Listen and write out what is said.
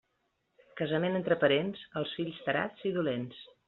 Casament entre parents, els fills tarats i dolents.